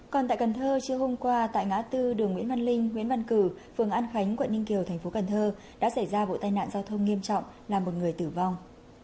còn tại cần thơ chiều hôm qua tại ngã tư đường nguyễn văn linh nguyễn văn cử phường an khánh quận ninh kiều thành phố cần thơ đã xảy ra vụ tai nạn giao thông nghiêm trọng làm một người tử vong